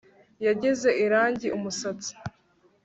Yasize irangi umusatsi